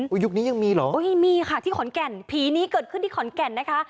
ยุคนี้ยังมีเหรอยังมีค่ะที่ขอนแก่นผีนี้เกิดขึ้นที่ขอนแก่นนะคะ